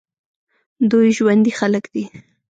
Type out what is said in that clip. دوی ژوندي خلک دي.